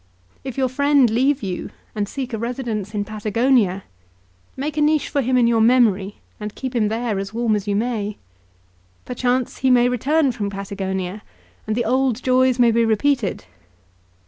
If your friend leave you, and seek a residence in Patagonia, make a niche for him in your memory, and keep him there as warm as you may. Perchance he may return from Patagonia and the old joys may be repeated.